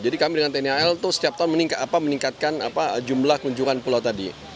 jadi kami dengan tni al itu setiap tahun meningkatkan jumlah kunjungan pulau tadi